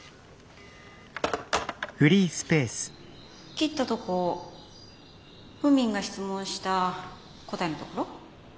切ったとこフーミンが質問した答えのところ？